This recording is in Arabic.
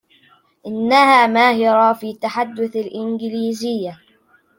إنها ماهرة في تحدث الإنجليزية.